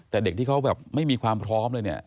แต่เด็กที่เขาแบบไม่มีความพร้อมเลยเนี่ย